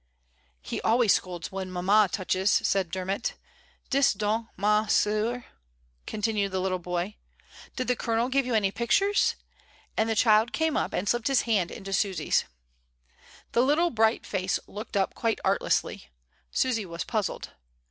"He always scolds when mamma touches," said Dermot. "2?/j donc^ ma sceur continued the little boy, "did the Colonel give you any pictures?" and the child came up and slipped his hand into Susy's. THE ATELIER. 85 The little bright face looked up quite artlessly. Susy was puzzled.